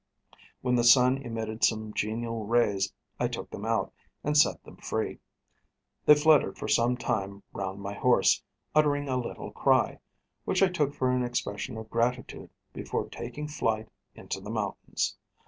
When the sun emitted some genial rays, I took them out, and set them free. They fluttered for some time round my horse, uttering a little cry, which I took for an expression of gratitude before taking flight into the mountains.